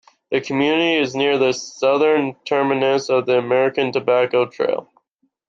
The community is near the southern terminus of the American Tobacco Trail.